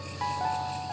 onggot garam aja ya